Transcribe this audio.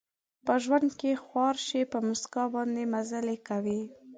په ژوند کې خوار شي، په مسکا باندې مزلې کوي